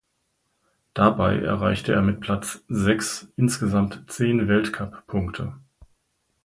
Dabei erreichte er mit Platz sechs insgesamt zehn Weltcup-Punkte.